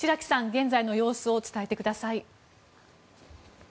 現在の様子を伝えてください。